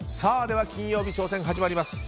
では金曜日挑戦、始まります。